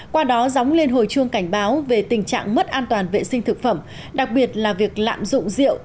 qua đó dóng lên hồi chuông cảnh báo về tình trạng mất an toàn vệ sinh thực phẩm đặc biệt là việc lạm dụng rượu